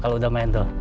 kalau udah main tuh